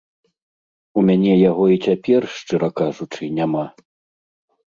У мяне яго і цяпер, шчыра кажучы, няма.